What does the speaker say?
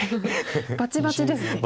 バチバチですね。